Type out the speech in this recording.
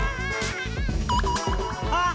あっ！